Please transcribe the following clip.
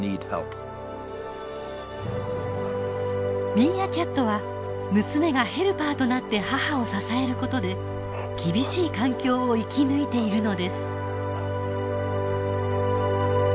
ミーアキャットは娘がヘルパーとなって母を支えることで厳しい環境を生き抜いているのです。